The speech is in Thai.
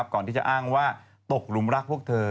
ก่อนที่จะอ้างว่าตกหลุมรักพวกเธอ